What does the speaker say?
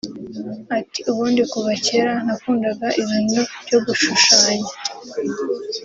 Ati” Ubundi kuva kera nakundaga ibintu byo gushushanya